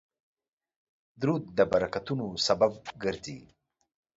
درود د برکتونو سبب ګرځي